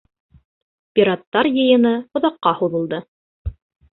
Пираттар йыйыны оҙаҡҡа һуҙылды.